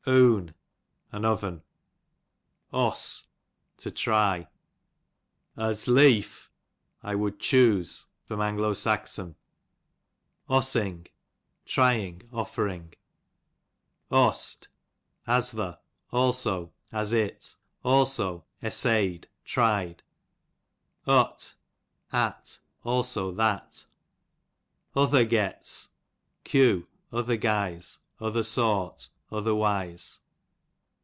Oon, an oven. Oss, to try. Os leef^ I would ehuse. Ossing, trying, offering, Ost, as the ; also, as it ; also essay'^d, try^d, Ot, at ; also that, Othergets, q. other guise, other sort, otherwise.